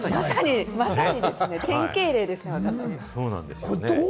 まさにですね、典型例ですね、私。